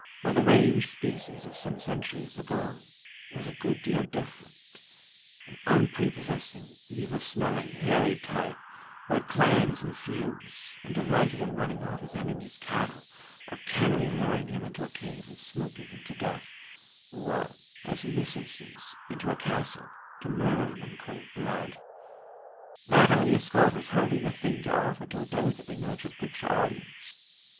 But the range species of some centuries ago, was a good deal different—an unprepossessing, evil smelling, hairy type, who had clans and feuds and delighted in running off his enemy's cattle, or cannily luring him into a cave and smoking him to death, or, as in this instance, into a castle, to murder him in cold blood. That earlier Scot was hardly the thing to offer to a delicately nurtured picture audience.